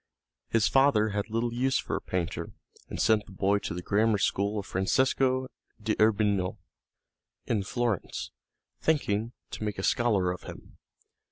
His father had little use for a painter, and sent the boy to the grammar school of Francesco d'Urbino, in Florence, thinking to make a scholar of him.